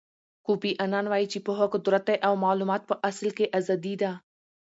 کوفی انان وایي چې پوهه قدرت دی او معلومات په اصل کې ازادي ده.